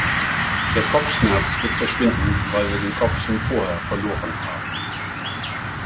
Der Kopfschmerz wird verschwinden, weil wir den Kopf schon vorher verloren haben.